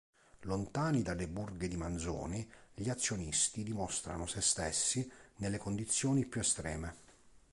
Lontani dalle burle di Manzoni gli azionisti dimostrano se stessi nelle condizioni più estreme.